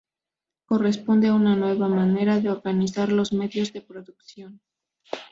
Corresponde a una nueva manera de organizar los medios de producción.